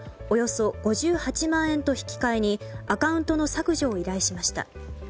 およそ５８万円と引き換えにアカウントの削除を依頼しました。